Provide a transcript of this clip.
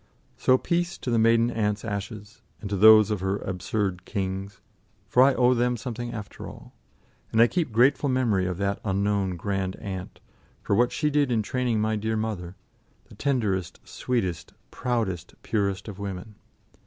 So peace to the maiden aunt's ashes, and to those of her absurd kings, for I owe them something after all. And I keep grateful memory of that unknown grand aunt, for what she did in training my dear mother, the tenderest, sweetest, proudest, purest of women.